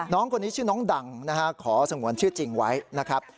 น้องคนนี้ชื่อน้องดังนะฮะขอสงวนชื่อจริงไว้นะครับ